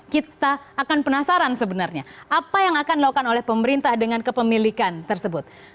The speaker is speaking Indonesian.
kita akan penasaran sebenarnya apa yang akan dilakukan oleh pemerintah dengan kepemilikan tersebut